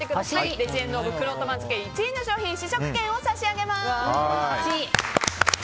レジェンド・オブ・くろうと番付１位の商品試食券を差し上げます。